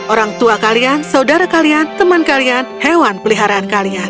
orang tua kalian saudara kalian teman kalian hewan peliharaan kalian